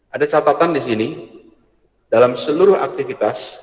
ada catatan di sini dalam seluruh aktivitas